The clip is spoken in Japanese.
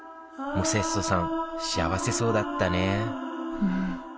モセッソさんしあわせそうだったねうん。